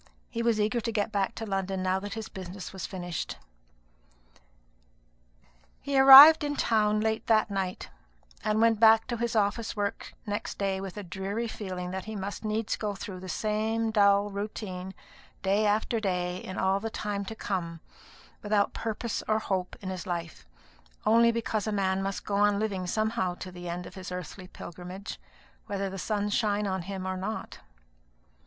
He was eager to get back to London now that his business was finished. He arrived in town late that night; and went back to his office work next day with a dreary feeling that he must needs go through the same dull routine day after day in all the time to come, without purpose or hope in his life, only because a man must go on living somehow to the end of his earthly pilgrimage, whether the sun shine upon him or not.